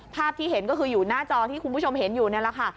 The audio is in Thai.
ภาพที่เห็นก็คืออยู่หน้าจอที่คุณผู้ชมเห็นอยู่นี่แหละค่ะ